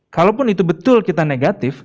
kalaupun itu betul kita negatif